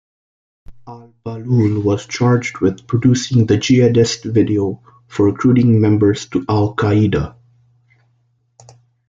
Al Bahlul was charged with producing the jihadist video for recruiting members to Al-Qaeda.